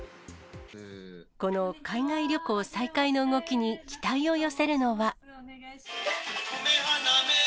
この海外旅行再開の動きに期待を寄せるのは。